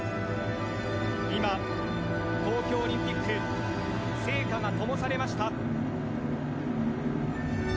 今東京オリンピック聖火がともされました。